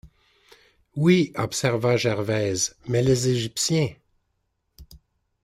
Oui, observa Gervaise, mais les égyptiens?